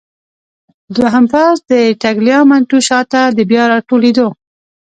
دوهم پوځ د ټګلیامنتو شاته د بیا راټولېدو.